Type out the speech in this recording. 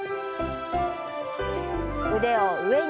腕を上に。